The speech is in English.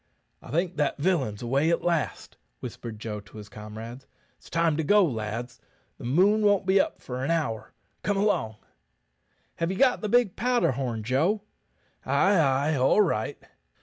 "I think that villain's away at last," whispered Joe to his comrades. "It's time to go, lads; the moon won't be up for an hour. Come along." "Have ye got the big powder horn, Joe?" "Ay, ay, all right."